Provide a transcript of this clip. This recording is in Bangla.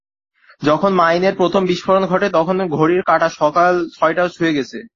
যখন মাইনের প্রথম বিস্ফোরণ ঘটে, তখন ঘড়ির কাঁটা সকাল ছয়টা ছুঁয়ে গেছে।